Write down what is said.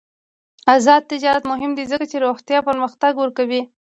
آزاد تجارت مهم دی ځکه چې روغتیا پرمختګ ورکوي.